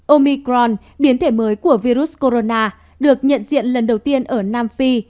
omicron biến thể mới của virus corona được nhận diện lần đầu tiên ở nam phi